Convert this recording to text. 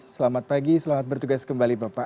selamat pagi selamat bertugas kembali bapak